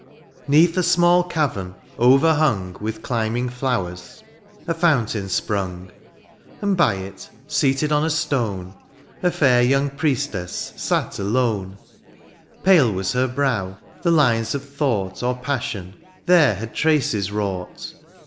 ^ ^Neath a small cavern, overhung With climbing flowers, a fountain sprung ; And by it, seated on a stone, A hir young priestess sate alone ; Pale was her brow, the lines of thought. Or passion, there had traces wrought.